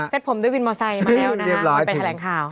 เซ็ตผมด้วยมอไซด์มาแล้วนะฮะไปแถลงข่าว